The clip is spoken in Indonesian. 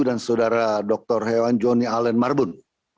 dan saudara dr hewan joni allen marbun